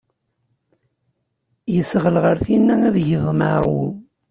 Yesɣel ɣer tinna ideg yeḍmeɛ ṛewwu.